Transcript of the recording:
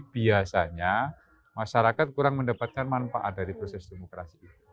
biasanya masyarakat kurang mendapatkan manfaat dari proses demokrasi ini